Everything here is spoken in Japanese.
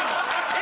「え？」